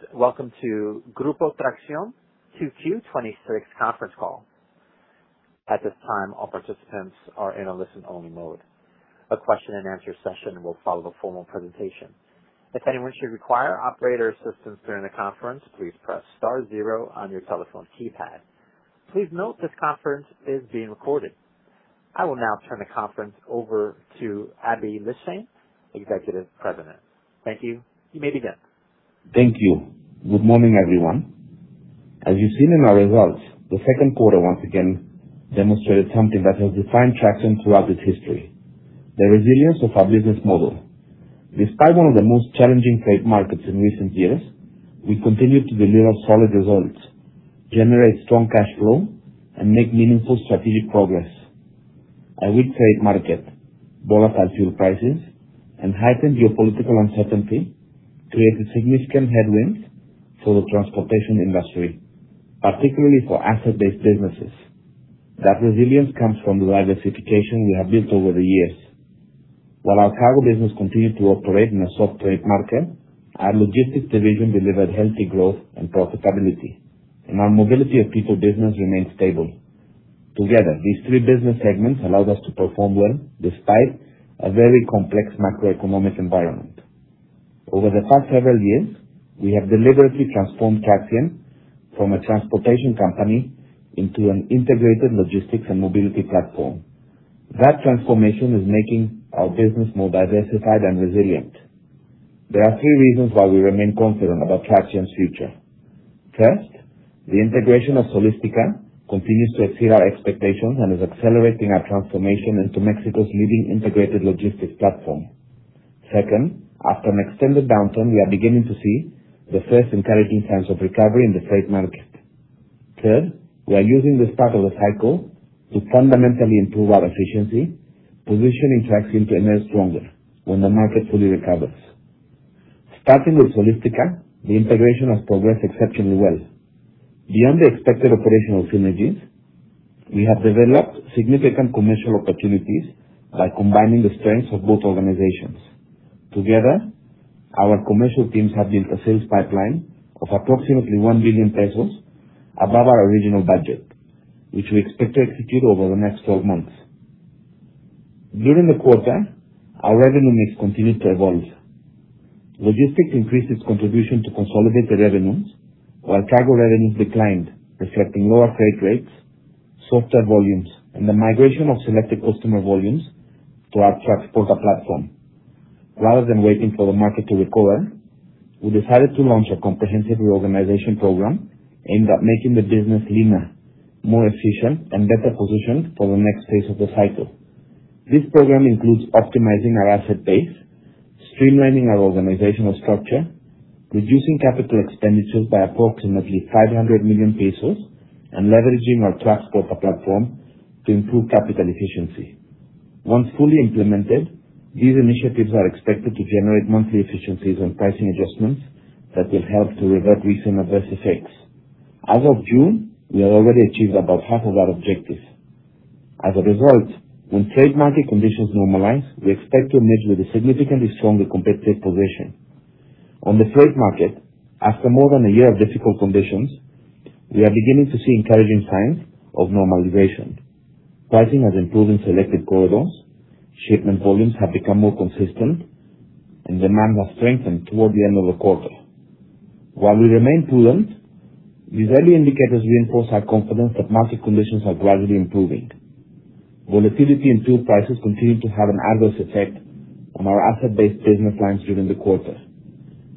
Greetings. Welcome to Grupo Traxión 2Q 2026 conference call. At this time, all participants are in a listen-only mode. A question and answer session will follow the formal presentation. If anyone should require operator assistance during the conference, please press star zero on your telephone keypad. Please note this conference is being recorded. I will now turn the conference over to Aby Lijtszain, Executive President. Thank you. You may begin. Thank you. Good morning, everyone. As you've seen in our results, the second quarter once again demonstrated something that has defined Traxión throughout its history, the resilience of our business model. Despite one of the most challenging trade markets in recent years, we continue to deliver solid results, generate strong cash flow, and make meaningful strategic progress. A weak trade market, volatile fuel prices, and heightened geopolitical uncertainty created significant headwinds for the Traxportation industry, particularly for asset-based businesses. That resilience comes from the diversification we have built over the years. While our cargo business continued to operate in a soft trade market, our logistics division delivered healthy growth and profitability, and our mobility of people business remained stable. Together, these three business segments allowed us to perform well despite a very complex macroeconomic environment. Over the past several years, we have deliberately transformed Traxión from a Traxportation company into an integrated logistics and mobility platform. That transformation is making our business more diversified and resilient. There are three reasons why we remain confident about Traxión's future. First, the integration of Solistica continues to exceed our expectations and is accelerating our transformation into Mexico's leading integrated logistics platform. Second, after an extended downturn, we are beginning to see the first encouraging signs of recovery in the freight market. Third, we are using this part of the cycle to fundamentally improve our efficiency, positioning Traxión to emerge stronger when the market fully recovers. Starting with Solistica, the integration has progressed exceptionally well. Beyond the expected operational synergies, we have developed significant commercial opportunities by combining the strengths of both organizations. Together, our commercial teams have built a sales pipeline of approximately 1 billion pesos above our original budget, which we expect to execute over the next 12 months. During the quarter, our revenue mix continued to evolve. Logistics increased its contribution to consolidated revenues, while cargo revenues declined, reflecting lower freight rates, softer volumes, and the migration of selected customer volumes to our Traxporta platform. Rather than waiting for the market to recover, we decided to launch a comprehensive reorganization program aimed at making the business leaner, more efficient, and better positioned for the next phase of the cycle. This program includes optimizing our asset base, streamlining our organizational structure, reducing capital expenditures by approximately 500 million pesos, and leveraging our Traxporta platform to improve capital efficiency. Once fully implemented, these initiatives are expected to generate monthly efficiencies and pricing adjustments that will help to revert recent adverse effects. As of June, we have already achieved about half of our objectives. As a result, when trade market conditions normalize, we expect to emerge with a significantly stronger competitive position. On the freight market, after more than one year of difficult conditions, we are beginning to see encouraging signs of normalization. Pricing has improved in selected corridors, shipment volumes have become more consistent, and demand has strengthened toward the end of the quarter. While we remain prudent, these early indicators reinforce our confidence that market conditions are gradually improving. Volatility in fuel prices continued to have an adverse effect on our asset-based business lines during the quarter.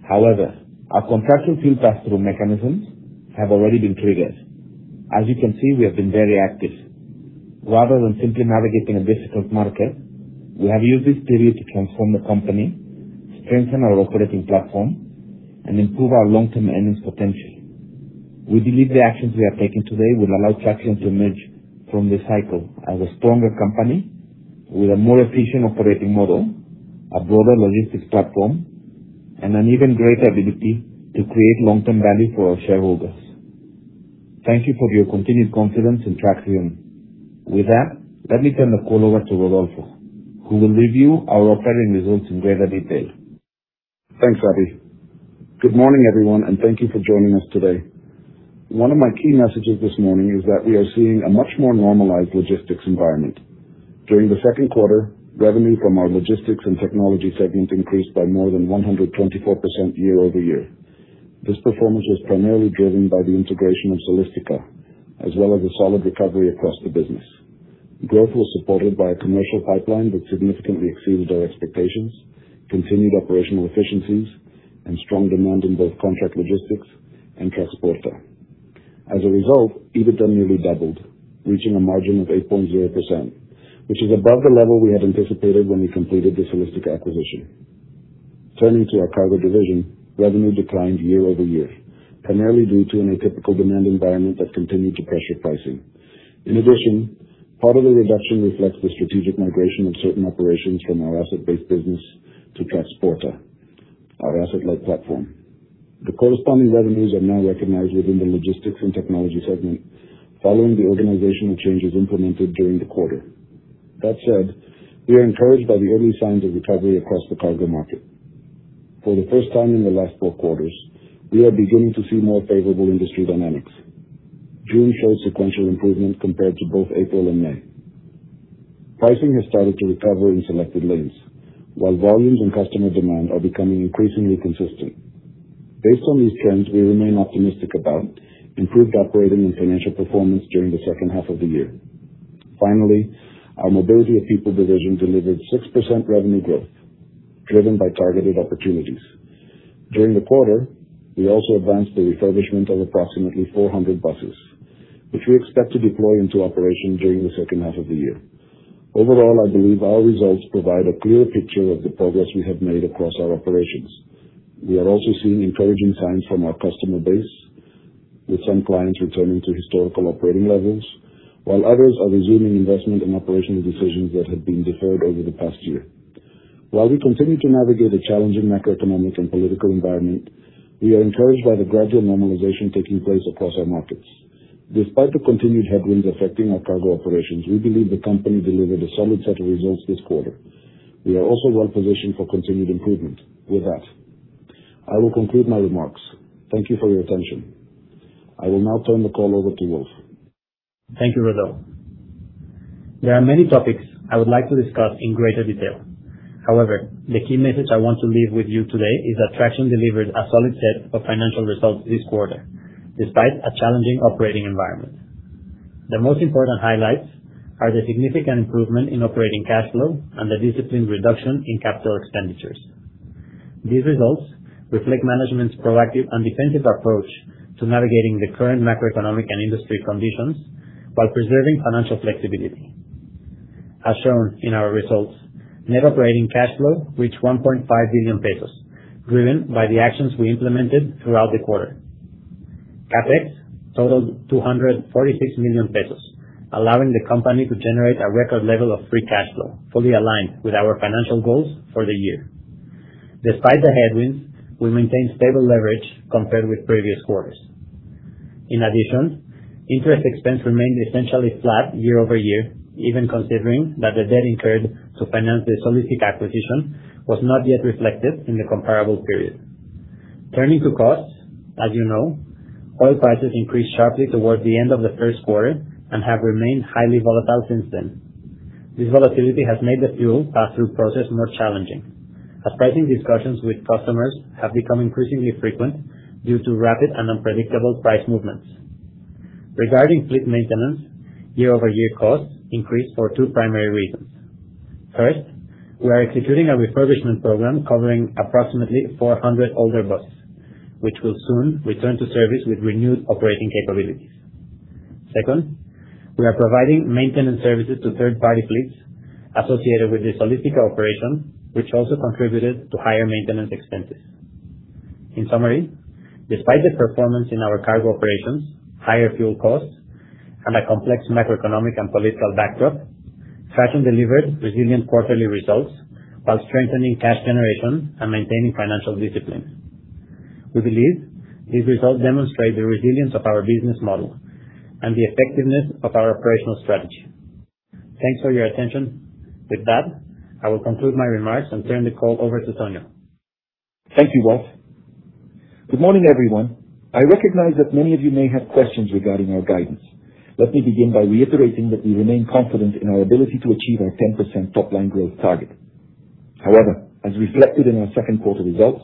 However, our contractual fuel pass-through mechanisms have already been triggered. As you can see, we have been very active. Rather than simply navigating a difficult market, we have used this period to transform the company, strengthen our operating platform, and improve our long-term earnings potential. We believe the actions we are taking today will allow Traxión to emerge from this cycle as a stronger company with a more efficient operating model, a broader logistics platform, and an even greater ability to create long-term value for our shareholders. Thank you for your continued confidence in Traxión. With that, let me turn the call over to Rodolfo, who will review our operating results in greater detail. Thanks, Aby. Good morning, everyone, and thank you for joining us today. One of my key messages this morning is that we are seeing a much more normalized logistics environment. During the second quarter, revenue from our logistics and technology segment increased by more than 124% year-over-year. This performance was primarily driven by the integration of Solistica, as well as a solid recovery across the business. Growth was supported by a commercial pipeline that significantly exceeded our expectations, continued operational efficiencies, and strong demand in both contract logistics and Traxporta. As a result, EBITDA nearly doubled, reaching a margin of 8.0%, which is above the level we had anticipated when we completed the Solistica acquisition. Turning to our cargo division, revenue declined year-over-year, primarily due to an atypical demand environment that continued to pressure pricing. In addition, part of the reduction reflects the strategic migration of certain operations from our asset-based business to Traxporta, our asset-light platform. The corresponding revenues are now recognized within the logistics and technology segment following the organizational changes implemented during the quarter. That said, we are encouraged by the early signs of recovery across the cargo market. For the first time in the last four quarters, we are beginning to see more favorable industry dynamics. June showed sequential improvement compared to both April and May. Pricing has started to recover in selected lanes, while volumes and customer demand are becoming increasingly consistent. Based on these trends, we remain optimistic about improved operating and financial performance during the second half of the year. Finally, our Mobility of People division delivered 6% revenue growth, driven by targeted opportunities. During the quarter, we also advanced the refurbishment of approximately 400 buses, which we expect to deploy into operation during the second half of the year. Overall, I believe our results provide a clear picture of the progress we have made across our operations. We are also seeing encouraging signs from our customer base, with some clients returning to historical operating levels, while others are resuming investment and operational decisions that have been deferred over the past year. While we continue to navigate a challenging macroeconomic and political environment, we are encouraged by the gradual normalization taking place across our markets. Despite the continued headwinds affecting our cargo operations, we believe the company delivered a solid set of results this quarter. We are also well-positioned for continued improvement. With that, I will conclude my remarks. Thank you for your attention. I will now turn the call over to Wolf. Thank you, Rodo. There are many topics I would like to discuss in greater detail. However, the key message I want to leave with you today is that Traxión delivered a solid set of financial results this quarter, despite a challenging operating environment. The most important highlights are the significant improvement in operating cash flow and the disciplined reduction in capital expenditures. These results reflect management's proactive and defensive approach to navigating the current macroeconomic and industry conditions while preserving financial flexibility. As shown in our results, net operating cash flow reached 1.5 billion pesos, driven by the actions we implemented throughout the quarter. CapEx totaled 246 million pesos, allowing the company to generate a record level of free cash flow, fully aligned with our financial goals for the year. Despite the headwinds, we maintained stable leverage compared with previous quarters. In addition, interest expense remained essentially flat year-over-year, even considering that the debt incurred to finance the Solistica acquisition was not yet reflected in the comparable period. Turning to costs, as you know, oil prices increased sharply towards the end of the first quarter and have remained highly volatile since then. This volatility has made the fuel pass-through process more challenging, as pricing discussions with customers have become increasingly frequent due to rapid and unpredictable price movements. Regarding fleet maintenance, year-over-year costs increased for two primary reasons. First, we are executing a refurbishment program covering approximately 400 older buses, which will soon return to service with renewed operating capabilities. Second, we are providing maintenance services to third-party fleets associated with the Solistica operation, which also contributed to higher maintenance expenses. In summary, despite the performance in our cargo operations, higher fuel costs, and a complex macroeconomic and political backdrop, Traxión delivered resilient quarterly results while strengthening cash generation and maintaining financial discipline. We believe these results demonstrate the resilience of our business model and the effectiveness of our operational strategy. Thanks for your attention. With that, I will conclude my remarks and turn the call over to Sonia. Thank you, Wolf. Good morning, everyone. I recognize that many of you may have questions regarding our guidance. Let me begin by reiterating that we remain confident in our ability to achieve our 10% top-line growth target. As reflected in our second quarter results,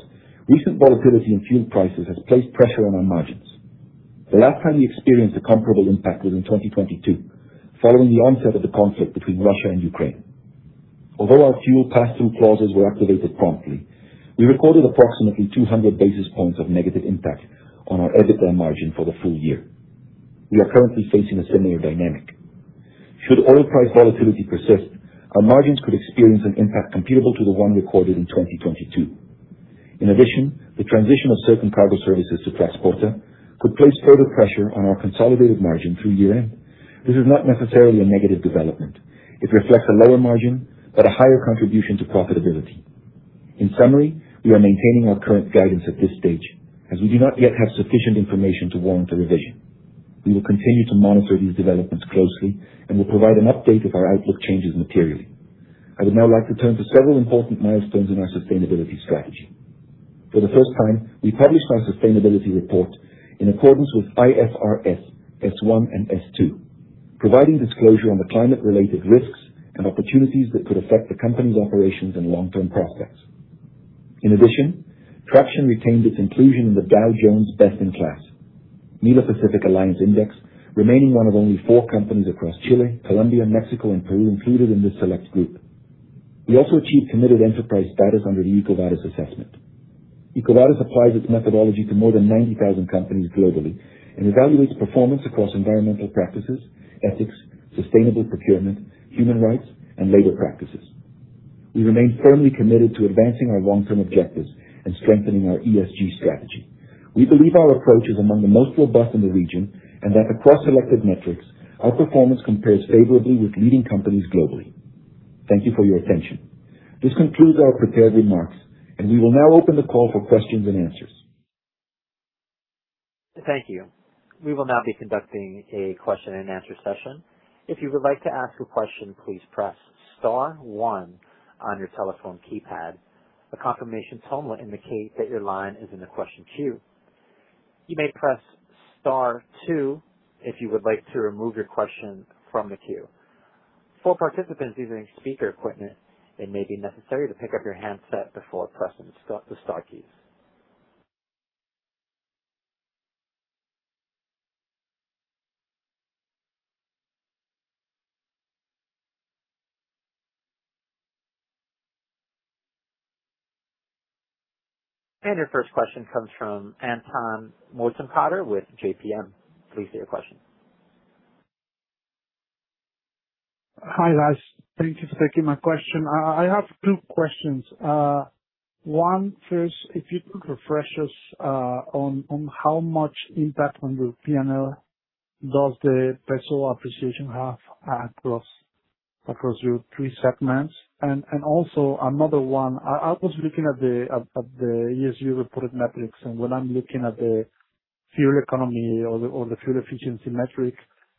recent volatility in fuel prices has placed pressure on our margins. The last time we experienced a comparable impact was in 2022, following the onset of the conflict between Russia and Ukraine. Although our fuel pass-through clauses were activated promptly, we recorded approximately 200 basis points of negative impact on our EBITDA margin for the full year. We are currently facing a similar dynamic. Should oil price volatility persist, our margins could experience an impact comparable to the one recorded in 2022. In addition, the transition of certain cargo services to Traxporta could place further pressure on our consolidated margin through year-end. This is not necessarily a negative development. It reflects a lower margin but a higher contribution to profitability. In summary, we are maintaining our current guidance at this stage, as we do not yet have sufficient information to warrant a revision. We will continue to monitor these developments closely and will provide an update if our outlook changes materially. I would now like to turn to several important milestones in our sustainability strategy. For the first time, we published our sustainability report in accordance with IFRS S1 and S2, providing disclosure on the climate-related risks and opportunities that could affect the company's operations and long-term prospects. In addition, Traxión retained its inclusion in the Dow Jones Sustainability MILA Pacific Alliance Index, remaining one of only four companies across Chile, Colombia, Mexico, and Peru included in this select group. We also achieved Committed Enterprise status under the EcoVadis assessment. EcoVadis applies its methodology to more than 90,000 companies globally and evaluates performance across environmental practices, ethics, sustainable procurement, human rights, and labor practices. We remain firmly committed to advancing our long-term objectives and strengthening our ESG strategy. We believe our approach is among the most robust in the region and that across selected metrics, our performance compares favorably with leading companies globally. Thank you for your attention. This concludes our prepared remarks. We will now open the call for questions and answers. Thank you. We will now be conducting a question and answer session. If you would like to ask a question, please press star one on your telephone keypad. A confirmation tone will indicate that your line is in the question queue. You may press star two if you would like to remove your question from the queue. For participants using speaker equipment, it may be necessary to pick up your handset before pressing the star keys. Your first question comes from Anton Montoparter with JPM. Please state your question. Hi, guys. Thank you for taking my question. I have two questions. One, first, if you could refresh us on how much impact on your P&L does the peso appreciation have across your three segments. I was looking at the ESG reported metrics, and when I'm looking at the fuel economy or the fuel efficiency metric,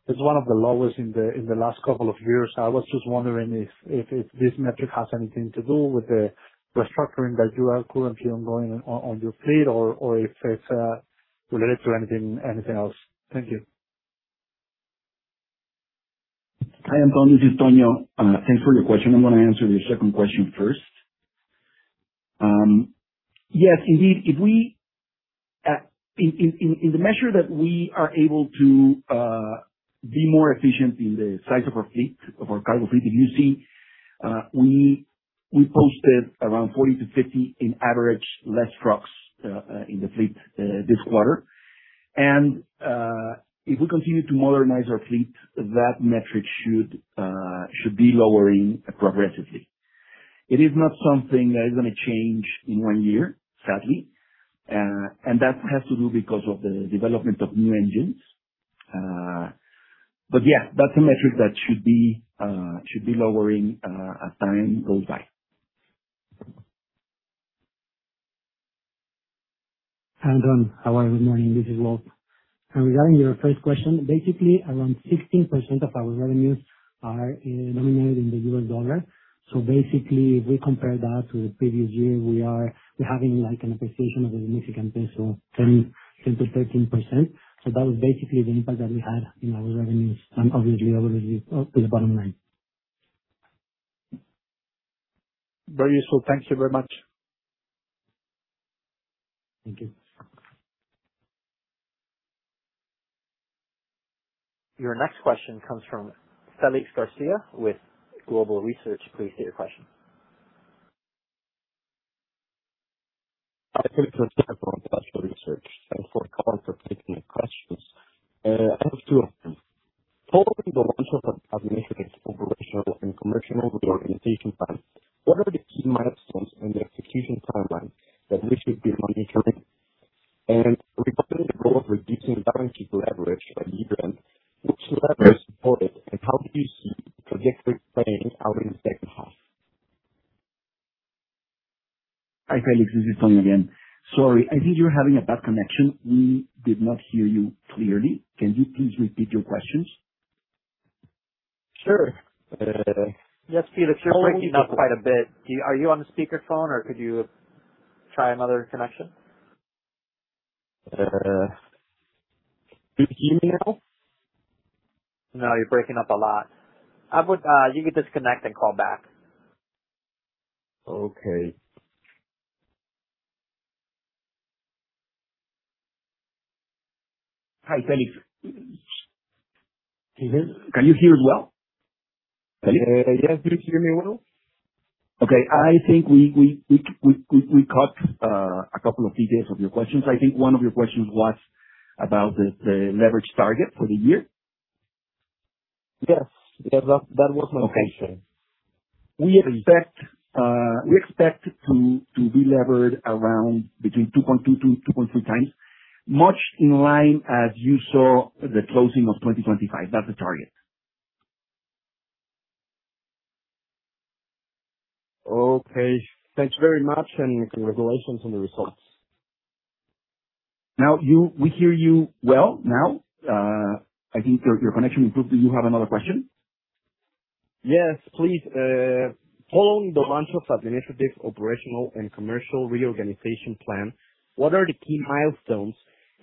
it's one of the lowest in the last couple of years. I was just wondering if this metric has anything to do with the restructuring that you are currently ongoing on your fleet or if it's related to anything else. Thank you. Hi, Anton, this is Tonio. Thanks for your question. I'm going to answer your second question first. Yes, indeed, in the measure that we are able to be more efficient in the size of our fleet, of our cargo fleet, if you see, we posted around 40 to 50 in average less trucks in the fleet this quarter. If we continue to modernize our fleet, that metric should be lowering progressively. It is not something that is going to change in one year, sadly. That has to do because of the development of new engines. Yeah, that's a metric that should be lowering as time goes by. Anton, how are you? Morning. This is Rodo. Regarding your first question, basically around 16% of our revenues are nominated in the US dollar. Basically, if we compare that to the previous year, we are having an appreciation of the Mexican peso 10%-13%. That was basically the impact that we had in our revenues and obviously our revenue to the bottom line. Very useful. Thank you very much. Thank you. Your next question comes from Felix Garcia with Global Research. Please state your question. Hi, Felix Garcia from Global Research. Thanks for calling, for taking the questions. I have two of them. Following the launch of administrative, operational, and commercial reorganization plan, what are the key milestones and the execution timeline that we should be monitoring? Regarding the goal of reducing balance sheet leverage by year-end, which levers support it, and how do you see the trajectory playing out in the second half? Hi, Felix, this is Tonio again. Sorry, I think you're having a bad connection. We did not hear you clearly. Can you please repeat your questions? Sure. Yes, Felix, you're breaking up quite a bit. Are you on the speaker phone or could you try another connection? Can you hear me now? No, you're breaking up a lot. You could disconnect and call back. Okay. Hi, Felix. Can you hear us well? Yes. Can you hear me well? Okay. I think we caught a couple of details of your questions. I think one of your questions was about the leverage target for the year. Yes. That was my question. Okay. We expect to be levered around between 2.2x to 2.3x, much in line as you saw the closing of 2025. That's the target. Okay. Thanks very much and congratulations on the results. Now, we hear you well now. I think your connection improved. Do you have another question? Yes, please. Following the launch of administrative, operational, and commercial reorganization plan, what are the key milestones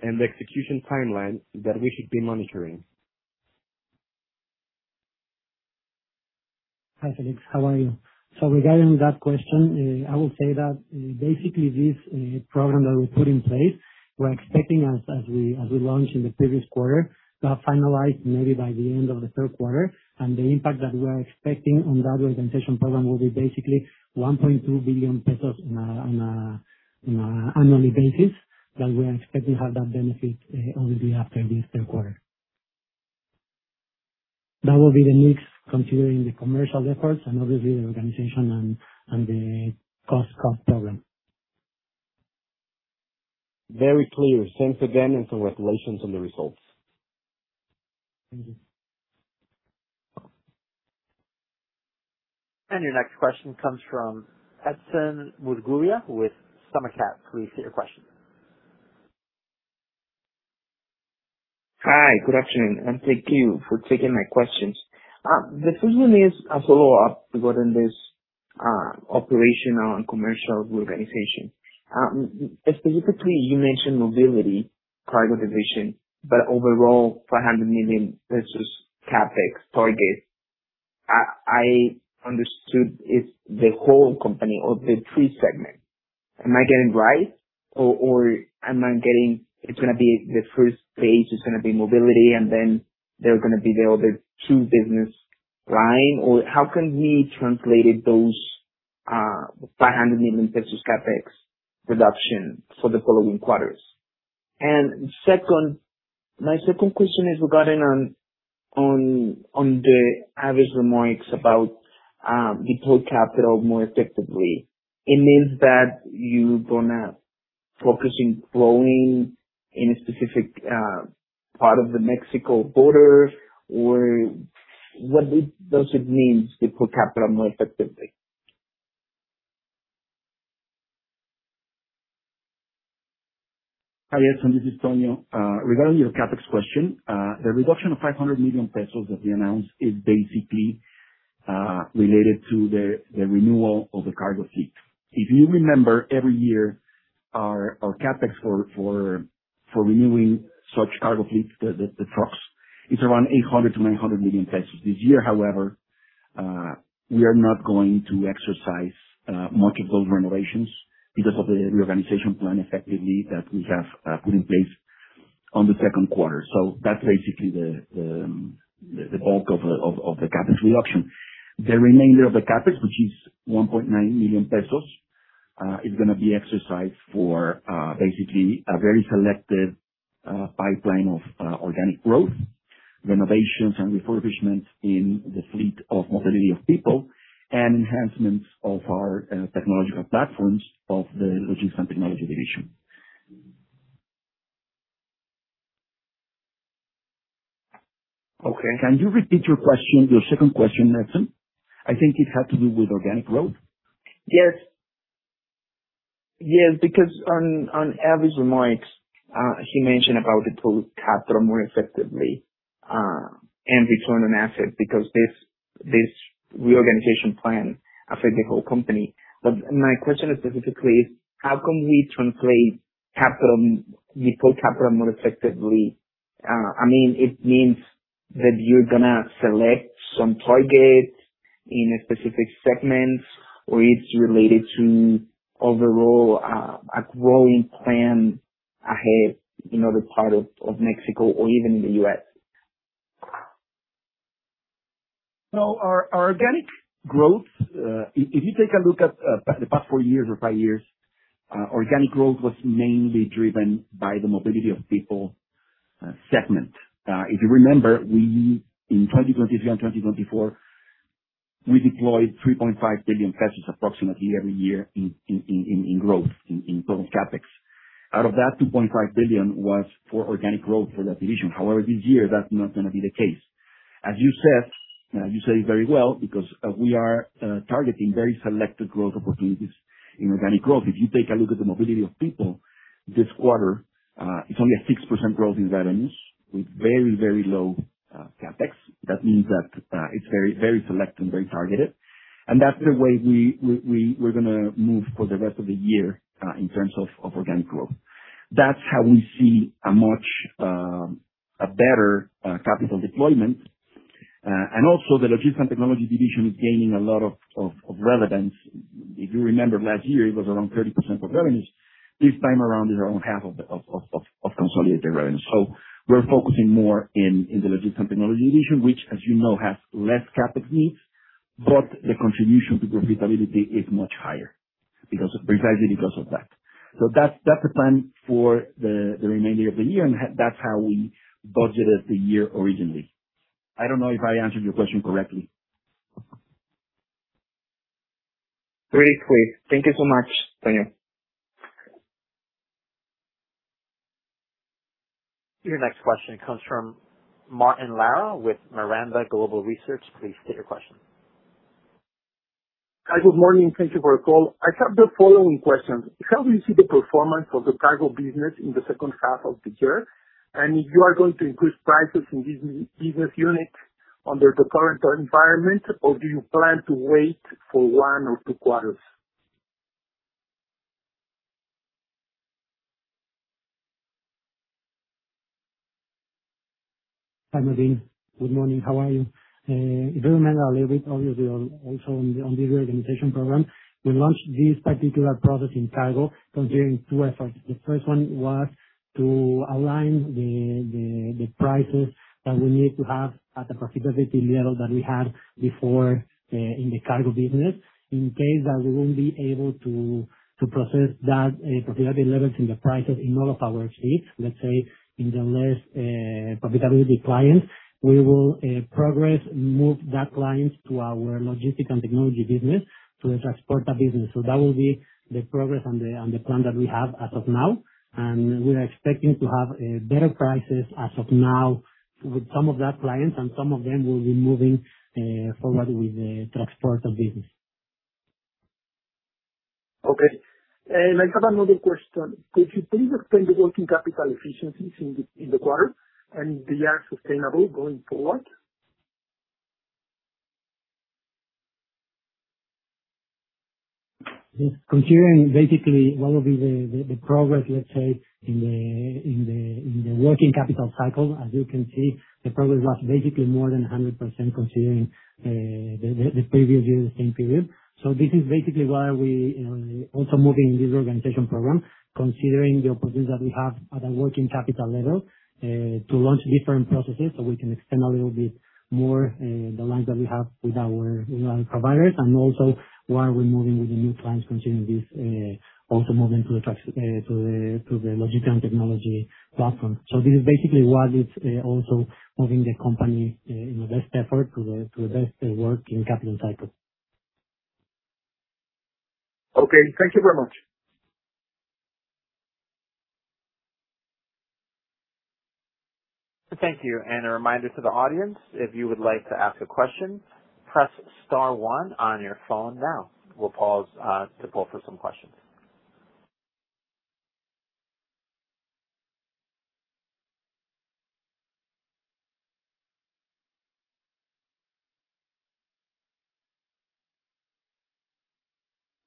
and the execution timeline that we should be monitoring? Hi, Felix. How are you? Regarding that question, I will say that basically this program that we put in place, we are expecting as we launch in the previous quarter, to have finalized maybe by the end of the third quarter. The impact that we are expecting on that organization program will be basically 1.2 billion pesos on a annually basis that we are expecting to have that benefit only after this third quarter. That will be the next, considering the commercial efforts and obviously the organization and the cost problem. Very clear. Thanks again and congratulations on the results. Thank you. Your next question comes from Edson Murguía with SummaCap. Please state your question. Hi. Good afternoon, and thank you for taking my questions. This one is a follow-up regarding this operational and commercial reorganization. Specifically, you mentioned mobility cargo division, but overall 500 million CapEx target. I understood it's the whole company or the three segments. Am I getting it right, or am I getting It's going to be the first stage, it's going to be mobility, and then there's going to be the other two business line? How can we translate those 500 million pesos CapEx reduction for the following quarters? My second question is regarding on Aby's remarks about deploy capital more effectively. It means that you're gonna focus in growing in a specific part of the Mexico border, or what does it mean to deploy capital more effectively? Hi, Edson. This is Tonio. Regarding your CapEx question, the reduction of 500 million pesos that we announced is basically related to the renewal of the cargo fleet. If you remember, every year our CapEx for renewing such cargo fleet, the trucks, is around 800 million-900 million pesos. This year, however, we are not going to exercise much of those renovations because of the reorganization plan effectively that we have put in place on the second quarter. That's basically the bulk of the CapEx reduction. The remainder of the CapEx, which is 1.9 million pesos, is gonna be exercised for basically a very selective pipeline of organic growth, renovations, and refurbishments in the fleet of mobility of people and enhancements of our technological platforms of the logistics and technology division. Okay. Can you repeat your question, your second question, Edson? I think it had to do with organic growth. Yes. Yes, because on Aby's remarks, he mentioned about deploy capital more effectively, and return on assets because this reorganization plan affect the whole company. My question is specifically, how can we translate deploy capital more effectively? It means that you're gonna select some targets in a specific segment, or it's related to overall a growing plan ahead in other part of Mexico or even in the U.S.? Our organic growth, if you take a look at the past four years or five years, organic growth was mainly driven by the mobility of people segment. If you remember, in 2023 and 2024, we deployed 3.5 billion pesos approximately every year in growth, in total CapEx. Out of that, 2.5 billion was for organic growth for that division. However, this year, that's not going to be the case. As you said, you said it very well, because we are targeting very selective growth opportunities in organic growth. If you take a look at the mobility of people this quarter, it's only a 6% growth in revenues with very, very low CapEx. That means that it's very selective and very targeted. That's the way we're going to move for the rest of the year, in terms of organic growth. That's how we see a much better capital deployment. Also the logistic and technology division is gaining a lot of relevance. If you remember last year, it was around 30% of revenues. This time around it's around half of consolidated revenue. We are focusing more in the logistic and technology division, which as you know, has less CapEx needs, but the contribution to profitability is much higher precisely because of that. That's the plan for the remainder of the year, and that's how we budgeted the year originally. I do not know if I answered your question correctly. Great. Thank you so much, Tonio. Your next question comes from Martín Lara with Miranda Global Research. Please state your question. Hi, good morning. Thank you for the call. I have the following questions. How do you see the performance of the cargo business in the second half of the year? If you are going to increase prices in this business unit under the current environment, or do you plan to wait for one or two quarters? Hi, Martín. Good morning. How are you? If you remember a little bit, obviously, also on the organization program, we launched this particular process in cargo considering two efforts. The first one was to align the prices that we need to have at the profitability level that we had before, in the cargo business. In case that we won't be able to process that profitability levels in the prices in all of our fleets, let's say in the less profitability clients, we will progress, move that clients to our logistic and technology business, to the transport business. That will be the progress on the plan that we have as of now. We are expecting to have better prices as of now with some of that clients, and some of them will be moving forward with the Traxporta business. Okay. I have another question. Could you please explain the working capital efficiencies in the quarter and they are sustainable going forward? Yes. Considering basically what will be the progress, let's say, in the working capital cycle, as you can see, the progress was basically more than 100% considering the previous year, the same period. This is basically why we also moving this reorganization program, considering the opportunities that we have at a working capital level, to launch different processes so we can extend a little bit more the lines that we have with our providers, and also why we're moving with the new clients, considering this also moving to the logical and technology platform. This is basically what is also moving the company in the best effort to invest in working capital cycle. Okay. Thank you very much. Thank you, and a reminder to the audience, if you would like to ask a question, press star one on your phone now. We'll pause, to pull for some questions.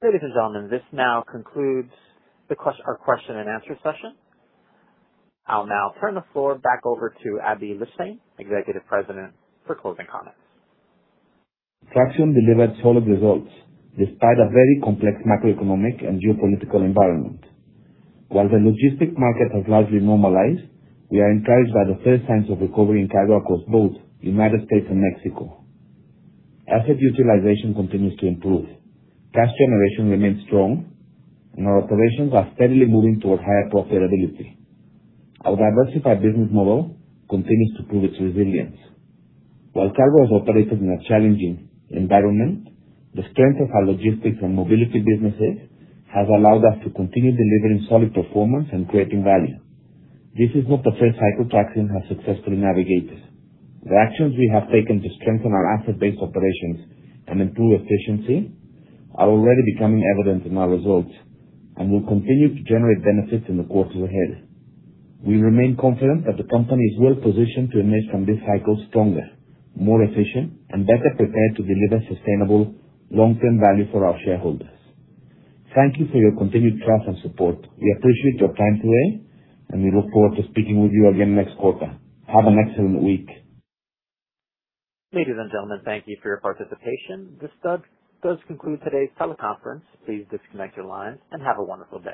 Ladies and gentlemen, this now concludes our question and answer session. I'll now turn the floor back over to Aby Lijtszain, Executive President, for closing comments. Traxión delivered solid results despite a very complex macroeconomic and geopolitical environment. While the logistic market has largely normalized, we are encouraged by the first signs of recovery in cargo across both United States and Mexico. Asset utilization continues to improve. Cash generation remains strong, and our operations are steadily moving toward higher profitability. Our diversified business model continues to prove its resilience. While cargo has operated in a challenging environment, the strength of our logistics and mobility businesses has allowed us to continue delivering solid performance and creating value. This is not the first cycle Traxión has successfully navigated. The actions we have taken to strengthen our asset-based operations and improve efficiency are already becoming evident in our results and will continue to generate benefits in the quarters ahead. We remain confident that the company is well-positioned to emerge from this cycle stronger, more efficient, and better prepared to deliver sustainable long-term value for our shareholders. Thank you for your continued trust and support. We appreciate your time today, and we look forward to speaking with you again next quarter. Have an excellent week. Ladies and gentlemen, thank you for your participation. This does conclude today's teleconference. Please disconnect your lines and have a wonderful day